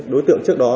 đối tượng trước đó